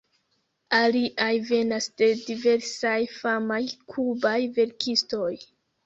Aliaj venas de diversaj famaj kubaj verkistoj.